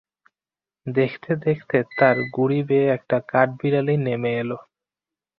দেখতে দেখতে তার গুঁড়ি বেয়ে একটা কাঠবিড়ালি নেমে এল।